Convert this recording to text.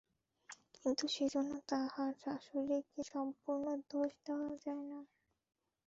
কিন্তু সেজন্য তাহার শাশুড়িকে সম্পূর্ণ দোষ দেওয়া যায় না।